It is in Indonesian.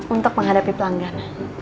untuk menghadapi pelanggan